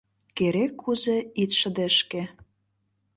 Керек-кузе ит шыдешке